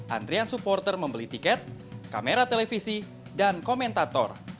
antrian supporter membeli tiket kamera televisi dan komentator